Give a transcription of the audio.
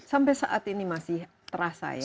sampai saat ini masih terasa ya